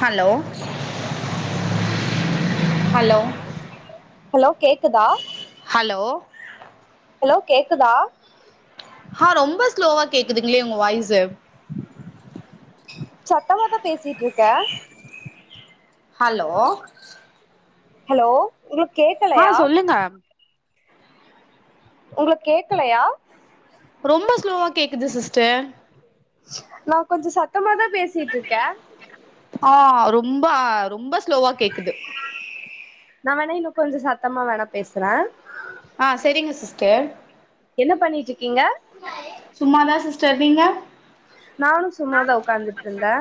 hello hello hello கேக்குதா hello hello கேக்குதா ஆ ரொம்போ ஸ்லோவா கேக்குதுங்களே உங்க வாய்ஸு சத்தமாதா பேசிட்ருக்கே ஹலோ ஹலோ உங்களுக்கு ஆ கேக்கலையா சொல்லுங்க உங்குளுக் கேக்கலையா ரொம்போ ஸ்லோவா கேக்குது சிஸ்டர் நா கொஞ்சோ சத்தமா தா பேசிட் ஆ ரொம்ப ரொம்ப ஸ்லோவா கேக்குது நா வேணா இங்க கொஞ்ச சத்தமா வேணா பேசுறே ஆ செரிங்க சிஸ்டர் என்ன பண்ணிட்ருக்கீங்க சும்மாதா சிஸ்டர் நீங்க நானு சும்மாத ஒக்காந்துட்டுர்ந்தே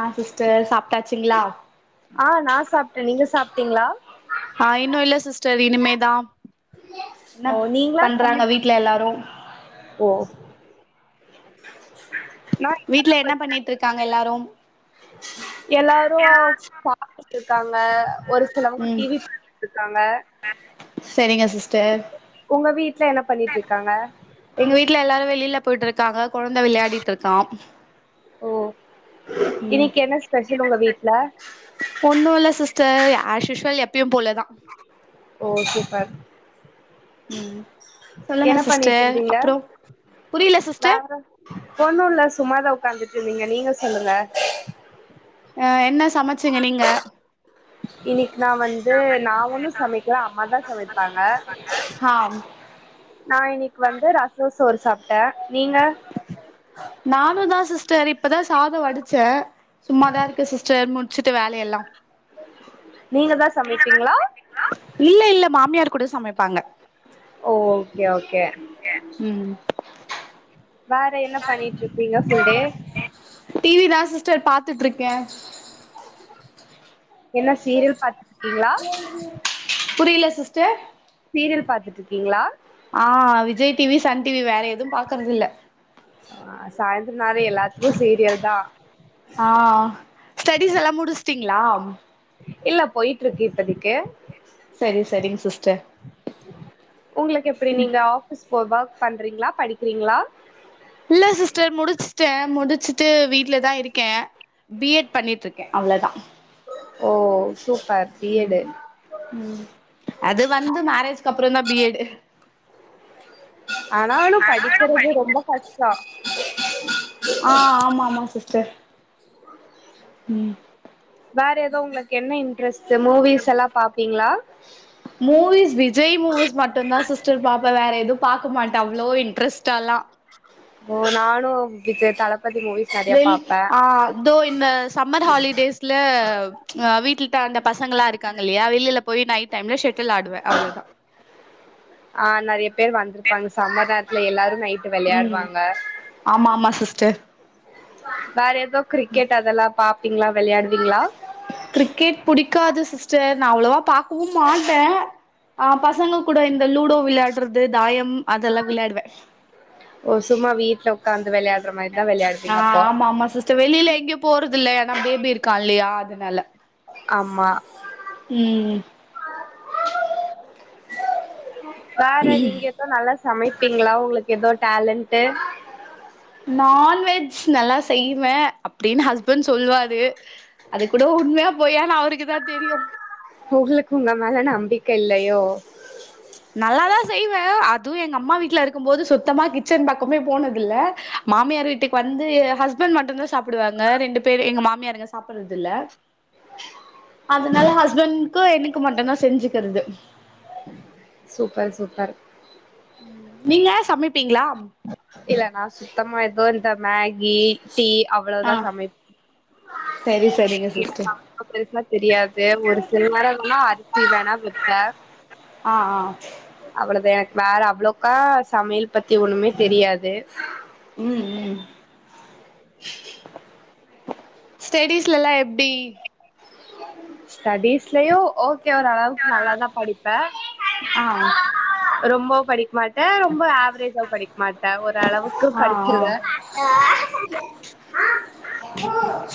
ஆ சிஸ்டர் சாப்ட்டாச்சுங்களா ஆ நா சாப்ட்ட நீங்க சாப்ட்டீங்களா அ இன்னு இல்ல சிஸ்டர் இனிமேதா இன்னா ஓ நீங்களா பண்றாங்க சமைப்பி வீட்ல எல்லாரு ஓ நா இப்பதா வீட்ல என்ன கொஞ்ச பண்ணிட்ருக்காங்க எல்லாரு எல்லாரு சாப்ட்டுட்ருக்காங்க ஒரு சிலவுங்க ம் டி வி பாத்துட்ருக்காங்க செரிங்க சிஸ்டர் உங்க வீட்ல என்ன பண்ணிட்ருக்காங்க எங்க வீட்ல எல்லாரு வெளில போயிட்ருக்காங்க கொழந்த வெளையாடிட்ருக்கா ஓ இன்னிக்கி என்ன ஸ்பெஷல் உங்க வீட்ல ஒண்ணு இல்ல சிஸ்டர் ஆஸ்யூஸ்வல் எப் ஓ சூப்பர் ம் சொல்லுங்க என்ன பண்ணிட்டு சிஸ்டர் இருந்தீங்க அப்புறோ புரியுல சிஸ்டர் ஒண்ணூல சும்மாதா ஒக்காந்துட்டு இருந்தீங்க நீங்க சொல்லுங்க அ என்ன சமச்சீங்க நீங்க இன்னிக்கி நா வந்து நா ஒன்னு சமைக்கல அம்மாதா சமைப்பாங்க ஆ நா இன்னிக்கு வந்து ரசோ சோறு சாப்ட்டே நீங்க நானு தா சிஸ்டர் இப்பதா சாதோ வடிச்சே சும்மாதா இருக்க சிஸ்டர் மு ச்சித்த வேலையெல்லாம் நீங்க தா சமைப்பீங்களா இல்ல இல்ல மாமியார் கூட சமைப்பாங்க ஓ ஓகே ஓகே ம் வேற என்ன பண்ணிட்டு இருக்கீங்க ஃபுல் டே டிவி தா சிஸ்டர் பாத்துட்ருக்கே என்ன சீரியல் பாத்துட்டு இருக்கீங்களா புரியில சிஸ்டர் சீரியல் பாத்துட்டு இருக்கீங்களா ஆ விஜய் டிவி சன் டிவி வேற எது பாக்குறதில்ல ஆ சாயந்தரோ நாளே எல்லாத்துக்கு சீரியல் தா ஆ ஸ்டடிஸ் எல்லா முடிச்ட்டீங்களா இல்ல போயிட்ருக்கு இப்பதிக்கு சரி சரிங் சிஸ்டர் உங்களுக்கு எப்டி நீங்க ஆஃபீஸ் போ ஒர்க் பண்றீங்களா படிக்கிறீங்களா இல்ல சிஸ்டர் முடிச்ட்டே முடிச்சுட்டு வீட்லதா இருக்கே பி எட் பண்ணிட்டு இருக்கே அவ்ளதா ஓ சூப்பர் பி ம் எட் ம் அது வந்து மேரேஜ்க்கு அப்ற தா பி ஏட் ஆனா ஒன்னு படிக்கிறது ரொம்ப கஷ்டோ ஆ ஆமா ஆமா சிஸ்டர் ம் வேற எது உங்களுக்கு என்ன இன்ட்ரெஸ்ட் மூவிஸ் எல்லா பாப்பீங்க்ளா மூவிஸ் விஜய் மூவிஸ் மட்டுதா சிஸ்டர் பாப்பே வேற எது பாக்க மாட்டே அவ்ளோ இன்ட்ரெஸ்டாலா ஓ நானு விஜய் தளபதி மூவிஸ் நெறைய வெள் பாப்பே ஆ தோ இந்த சம்மர் ஹாலிடேஸ்ல ஆ வீட்லிட்ட அந்த பசங்களா இருங்காங்க இல்லையா வெளியில போய் நைட் டைம்ல ஷெட்டில் ஆடுவே அவ்ளோதா ஆ நெறையப் பேர் வந்திருப்பாங்க சம்மர் நேரத்துல எல்லாரு நைட்டு் ம் வெளையாடுவாங்க ஆமா ஆமா சிஸ்டர் வேற எதோ கிரிக்கெட் அதெல்லா பாப்பீங்ளா வெளையாடுவீங்ளா கிரிக்கெட் புடிக்காது சிஸ்டர் நா அவ்ளவா பாக்கவு மாட்டே ஆ பசங்க கூட இந்த லூடோ விளையாடுறது தாயம் அதெல்லா விளாடுவே ஒ சும்மா வீட்ல உ க்காந்து வெளையாடுற மாரி ஆ ஆமா ஆமா சிஸ்டர் வெளியில எங்கேயு போறதுல்ல ஏன்னா பேபி இருக்கா இல்லையா அதுனால ஆமா ம் வேற நீங்க ளு நல்லா சமைப்பீங்களா உங்களுக்கு எது டேலண்டு நான்வெஜ் நல்லா செய்வே அப்டின்னு ஹஸ்பண்ட் சொல்லுவாரு அது கூட உண்மையா பொய்யானு அவருக்கு தா தெரியு உங்களுக்கு உங்க மேல நம்பிக்க இல்லையோ நல்லாதா செய்வே அதுவு எங்க அம்மா வீட்ல இருக்கும் போது சுத்தமா கிச்சன் பக்கமே போனதுல்ல மாமியார் வீட்டுக்கு வந்து எ ஹஸ்பண்ட் மட்டுந்தா சாப்புடுவாங்க ரெண்டு பேர் எங்க மாமியார் இங்க சாப்புட்றது இல்ல அதுனால ஹஸ்பண்ட்க்கு எனக்கு மட்டுதா செஞ்சுக்குறது சூப்பர் சூப்பர் நீங்க சமைப்பீங்களா இல்ல நா சுத்தமா எதோ இந்த மேகி டீ ஆ அவ்ளோதா சமைப் சரி சரிங்க இவ் சிஸ்டர் தா அ பெருசா தெரியாது ஒரு சில நேரோ வேன்னா அரிசி வேணா விப்ப ஆ ஆ அவ்ளோத எனக்கு வேற அவ்ளோக்கா சமையல் பத்தி ஒன்னுமே தெரியாது உம் ஸ்டேடீஸ்ல்லா எப்டி ஸ்டடிஸ்லையு ஓகே ஓரளவுக்கு நல்லாதா படிப்ப ஆ ரொம்போ படிக்க மாட்ட ரொம்ப ஆவரேஜ் ஆவ் படிக்க மாட்ட ஓரளவுக்கு ஆ ஆ படிச்சுருவ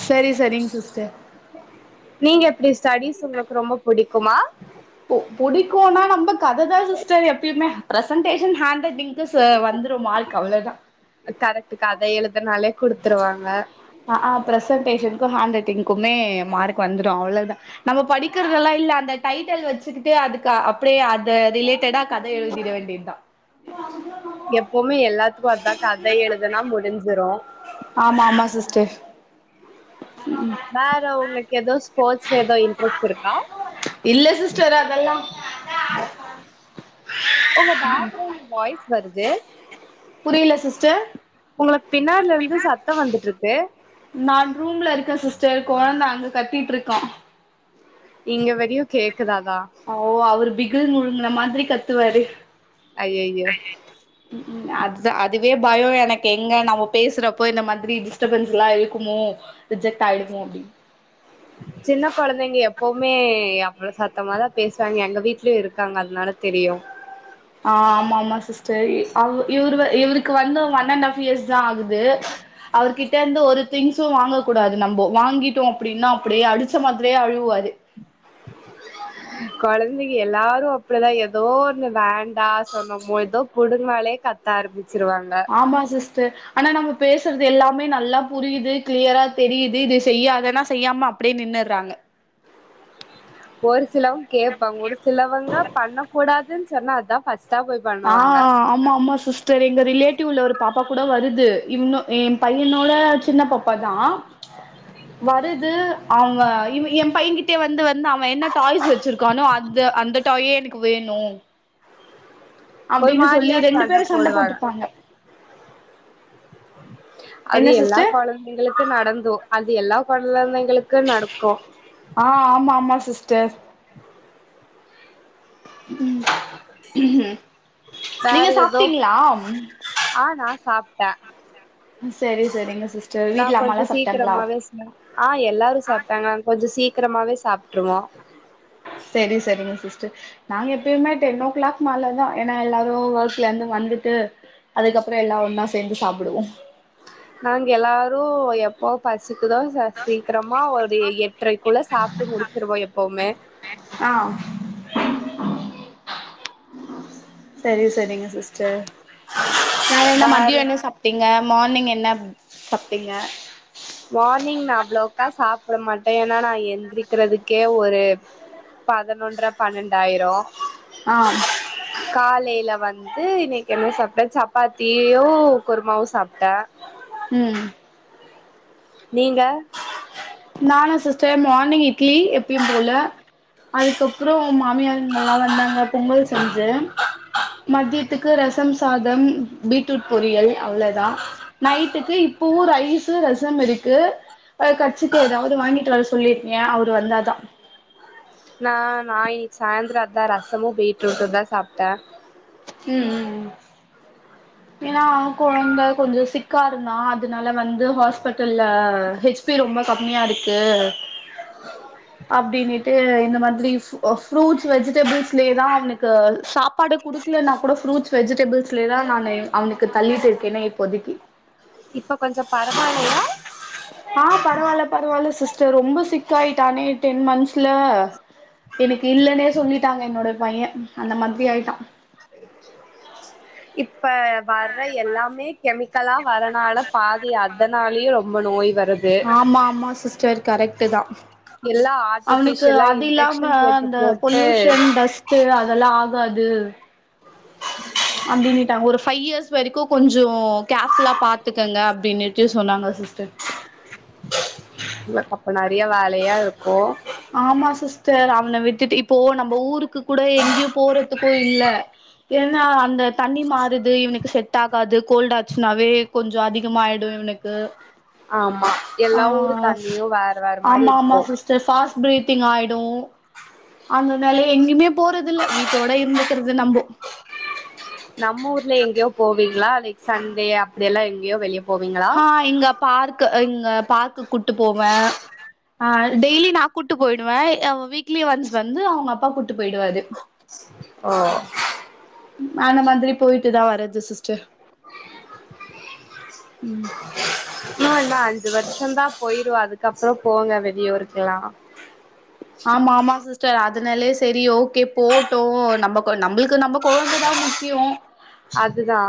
சேரி சேரிங்க சிஸ்டர் நீங்க எப்டி ஸ்டடிஸ் உங்களுக்கு ரொம்ப புடிக்குமா பிடிக்கு ஆனா நம்ம கதைதா சிஸ்டர் எப்பியுமே பிரசன்டேஷன் ஹேண்டேட்டிங் இல்ல சர் வந்துரு மார்க் அவ்ளதா கரெக்ட் கதை எழுதனாலே குடுத்துருவாங்க ஆ ஆ பிரசன்டேஷனுக்கு ஹேண்ட் ரைட்டிங்க்குமே மார்க் வந்துடும் அவ்ளதா நம்ம படிக்கிறதெல்லா இல்ல அந்த டைட்டல் வச்சிக்கிடே அதுக்கு அப்டியே அது ரிலேட்டடா கதை எழுதிட வேண்டியது தா எப்போவுமே எல்லாத்துக்கு அதா கதை எழுதனா முடிஞ்சிரு ஆமா ஆமா சிஸ்டர் வேற உங்களுக்கு ஏதோ ஸ்போர்ட்ஸ்ல ஏதோ இன்ட்ரெஸ்ட் இருக்கா இல்ல சிஸ்டர் அதெல்லா உங்க பேக்ரவுண்ட் வாய்ஸ் வருது புரியல சிஸ்டர் உங்களுக்கு பின்னாடில இருந்து சத்தம் வந்துட்டு இருக்கு நா ரூம்ல இருக்க சிஸ்டர் கொழந்த அங்க கத்திட்டு இருக்கா இங்க வருயு கேக்குறதா ஓ அவரு பிகில் முழுங்க மாதிரி கத்துவாரு ஐயையோ உம் அது அதுவே பயோ எனக்கு எங்க நம்ம பேசுறப்போ இந்த மாதிரி டிஸ்டர்பன்ஸ் எல்லா இருக்குமோ ரிஜெக்ட் ஆயிருமோ அப்டினு சின்ன குழந்தைங்க எப்போவுமே அவ்வள சத்தமாதா பேசுறாங்க எங்க வீட்லயு இருக்காங்க அதனால தெரியு ஆ ஆமா ஆமா சிஸ்டர் இவரு இவருக்கு வந்து ஒன் அண்ட் ஹாஃப் இயர்ஸ் தா ஆகுது அவர்கிட்ட இருந்து ஒரு திங்ஸும் வாங்க கூடாது நம்போ வாங்கிட்டோ அப்டின்னா அப்டியே அடிச்ச மாதிரியே அழுவாரு கொழந்தைக எல்லாரு அப்டிதா ஏதோ ஒன்னு வேண்டா சொன்னோ பொழுதுதோ புடுங்னாலே கத் த ஆரம்பிச்சிருவாங்க ஆமா சிஸ்டர் ஆனால் நம்ம பேசுறது எல்லாமே நல்லா புரியுது கிளியராக தெரியுது இது செய்யாதனா செய்யாம அப்டியே நின்னுறாங்க ஒரு சிலவங்க கேப்பா ஒரு சிலவங்க பண்ணக்க கூடாதுன்னு சொன்னா அதா ஃபர்ஸ்ட்டா போய் ஆ பண்ணுவாங்க ஆமா ஆமா சிஸ் தெரி எங்க ரிலேட்டிவ்ல ஒரு பாப்பா கூட வருது இன்னு ஏ பையனோட சின்ன பாப்பாதா வருது அவங்க இவ ஏ பையன்ங்கிட்ட கிட்ட வந்து வந்து அவன் என்ன டாய்ஸ் வச்சிருக்கானோ அது அந்த டாயே எனக்கு வேணு ஒரு அப்டின்னு சொல்லி மாரியா ரெண்டு சண்ட பேரும் சண்டை போடுவாங்க போட்டுப்பாங்க அது என்ன எல்லா சிஸ்டர் கொழந்தைகளுக்கு நடந்தூ அது எல்லா கொழந்தைங்களுக்கு நடக்கூ ஆ ஆமா ஆமா சிஸ்டர் ம் வேற நீங்க ஏதோ சாப்ட்டீங்ளா ஆ நா சாப்ட்ட செரி செரிங்க சிஸ்டர் நா வீட்ல கொஞ்ச அம்மாலா சாப்ட்டாங்களா சீக்கிரமாவே ஆ எல்லாரு சாப்ட்டாங்க நாங்க கொஞ்சோ சீக்கிரமாவே சாப்ட்டுருவோ செரி செரிங்க சிஸ்டர் நாங்க எப்பயுமே டென் ஓ கிளாக் மேலதா ஏன்னா எல்லாரு ஒர்க்லேர்ந்து வந்துட்டு அதுக்கப்பறொ எல்லா ஒன்னா சேந்து சாப்புடுவோ நாங்க எல்லாரு எப்போ பசிக்குதோ சர் சீக்கரமா ஒரு எட்ரைக்குள்ள சாப்ட்டு முடிச்சிருவோ எப்பவுமே ஆ சேரி சேரிங்க சிஸ்டர் வேற என்ன மதியொ என்ன சாப் டிங்க மார்னிங் என்ன சாப்டிங்க மார்னிங் நா அவ்ளவுக்கா சாப்பிட மாட்டே ஏன்னா நா எந்திரிக்கிறதுக்கே ஒரு பதனொன்ற பண்ண்டாயிரு ஆம் காலையில வந்து இன்னைக்கு என்ன சாப்ட்ட சப்பாத்தியு குருமாவு சாப்ட்ட ம் நீங்க நானு சிஸ்டர் மார்னிங் இட்லி எப்பயும் போல அதுக்கப்புறோ மாமியாருங்கல்லா வந்தாங்க பொங்கல் செஞ்ச மதியத்துக்கு ரசம் சாதம் பீட்ரூட் பொரியல் அவ்வளோதா நைட்டுக்கு இப்பவு ரைஸு ரசம் இருக்கு ச்சிட்டு எதாவ்து வாங்கிட்டு வர சொல்லியிருகே அவுரு வந்தாதா நா நா இன்னிக் சாய்ந்தர அதா ரசமூ பீட்ரூட்டுந்தா சாப்ட்ட ம் ம் ம் ஏன்னா அவ கொழந்த கொஞ்சொ சிக்காருந்தா அதனால வந்து ஹாஸ்பிட்டல்ல ஹெச் பி ரொம்ப கம்மியாருக்கு அப்டின்ட்டு இந்த மாதிரி ஃப்ரூட்ஸ் வெஜிடபிள்ஸ்லேயே தா அவனுக்கு சாப்பாடு குடுத் வீட்ல நா கூட ஃப்ரூட்ஸ் வெஜிடபிள்ஸ்லே தா நானு அவனுக்கு தள்ளிட்டிருக்கேனே இப்போதைக்கி இப்ப கொஞ்சம் பரவால்லயா ஆ பரவால்ல பரவால்ல சிஸ்டர் ரொம்ப சிக்காயிட்டானே டென் மந்த்ஸ்ல எனக்கு இல்லன்னே சொல்லிட்டாங்க என்னோட பையன் அந்த மாதிரி ஆயிட்டா இப்போ வர்ற எல்லாமே கெமிக்கலா வரனால பாதி அதனாலயே ரொம்ப நோய் வருது ஆமா ஆமா சிஸ்டர் கரெட்டு தா எல்லா அவனுக்கு ஆர்ட்டிபிஷியலா அது இல்லாம இன்ஜெக்ஷன் போட்டு அந்த போட்டு பொல்யூஷன் டஸ்ட் டு அதெல்லா ஆகாது அப்டின்னுட்டாங்க ஒரு ஃபைவ் இயர்ஸ் வரைக்கு கொஞ்சோ கேர்ஃபுல்லா பாத்துக்கங்க அப்டின்னுட்டு சொன்னாங்க சிஸ்டர் உ அப்ப நறையா வேலையா இருக்கூ ஆமா சிஸ்டர் அவன விட்டுட்டு இப்போ நம்ப ஊருக்கு கூட எங்கேயோ போறதுக்கோ இல்ல ஏன்னா அந்த தண்ணி மாறுது இவனுக்கு செட் ஆகாது கோல்ட் ஆச்சுனாவே கொஞ்சோ அதிகமாயிடு இவனுக்கு ஆமா ஆ எல்லா ஊரு தண்ணியு வேற வேற மாதிரி இருக்கும் இந்த சாஸ்ட் ப்ரீத்திங் ஆயிடும் அந்தனால எங்கேயுமே போறது இல்ல வீட்டோட இருந்துக்கிறது நம்போ நம் ஊர்ல எங்கயோ போவீங்களா லைக் சண்டே அப்படியெல்லா எங்கேயோ வெளிய போவீங்களா ஹா இங்க பார்க் இங்க பார்க்குக் கூட்டு போவே ஆ டெய்லி நா கூப்ட்டு போயிடுவே வீக்லி ஒன்ஸ் வந்து அவங்க அப்பா கூப்ட்டு போயிடுவாரு ஓ அந்த மாதிரி போயிட்டுதா வரது சிஸ்டர் ம் இன்னு என்ன அஞ்சு வருஷோ தா போயிரு அதுக்கப்றம் போங்க வெளியூருக்கெல்லா ஆமா ஆமா சிஸ்டர் அதனாலயே சரி ஓகே போட்டோம் நம்ம நம்மளுக்கு நம்ம குழந்தைதா முக் கியோ சாட்டு தா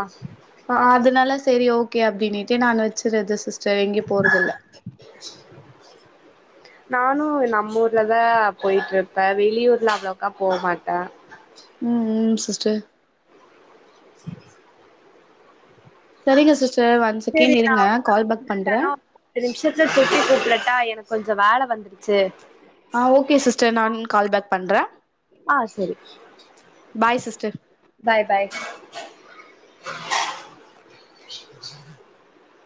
ஆ அதனால சரி ஓகே அப்டின்னுட்டு நான் வச்சிர்றது சிஸ்டர் எங்கயு போறதில்ல நானு நம்ம ஊர்லதா போய்ட்டு இருப்ப வெளியூரலா அவ்ளோக்கா போ மாட்ட ம் ம் சிஸ்டர் செரி செரி செரிங்க சிஸ்டர் ஒன் சகேண்ட் இருங்க கால் பேக் பண்ற ரெண்டு நிமிஷத்துல சுட்டி கூப்டட்டா எனக்கு கொஞ்சோ வேல வந்துருச்சு ஆ ஓகே சிஸ்டர் நானு கால் பேக் பண்ற ஆ செரி பாய் சிஸ்டர் பாய் பாய்